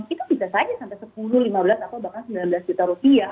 itu bisa saja sampai sepuluh lima belas atau bahkan sembilan belas juta rupiah